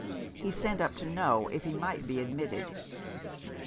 He sent up to know if he might be admitted.